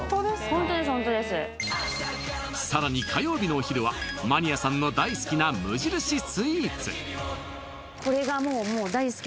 ホントですホントですさらに火曜日のお昼はマニアさんの大好きな無印スイーツ